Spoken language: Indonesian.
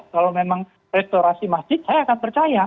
kalau memang restorasi masjid saya akan percaya